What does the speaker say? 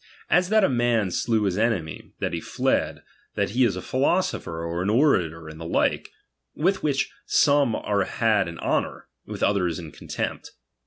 As that a man slew his enemy, that he fled, that he is a phi losopher, or an orator, and the like ; which with some are had in honour, with others iu contempt.